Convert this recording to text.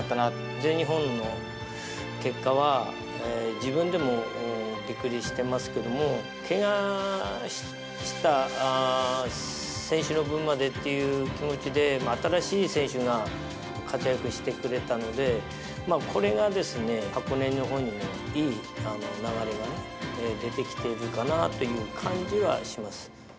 全日本の結果は、自分でもびっくりしてますけども、けがした選手の分までっていう気持ちで、新しい選手が活躍してくれたので、これがですね、箱根のほうにもいい流れが出てきているかなという感じはします。